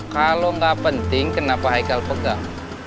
kalau nggak penting kenapa haikal pegang